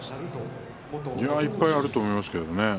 いっぱいあると思いますけれどもね。